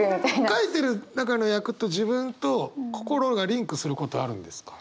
書いてる中の役と自分と心がリンクすることあるんですか？